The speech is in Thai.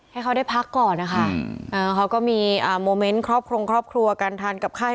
ให้เขาได้พักก่อนนะคะเขาก็มีโมเมนต์ครอบครองครอบครัวการทานกับไข้